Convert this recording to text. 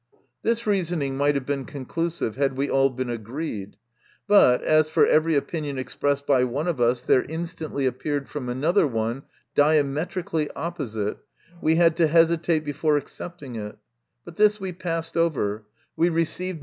This reasoning might have been conclusive had we all been agreed ; but, as for every opinion expressed by one of us there in stantly appeared from another one diametrically opposite, we had to hesitate before accepting it But this we passed over; we received MY CONFESSION.